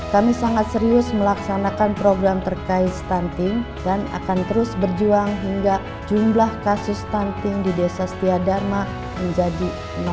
kami sangat serius melaksanakan program terkait stunting dan akan terus berjuang hingga jumlah kasus stunting di desa setia dharma menjadi enam puluh